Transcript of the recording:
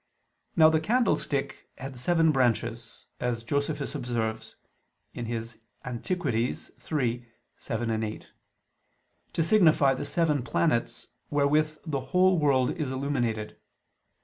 Now the candlestick had seven branches, as Josephus observes (Antiquit. iii, 7, 8), to signify the seven planets, wherewith the whole world is illuminated.